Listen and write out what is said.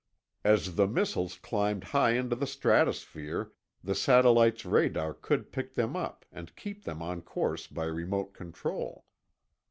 As the missiles climbed high into the stratosphere, the satellite's radar could pick them up and keep them on course by remote control.